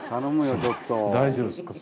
大丈夫ですか？